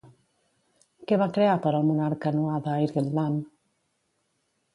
Què va crear per al monarca Nuada Airgetlám?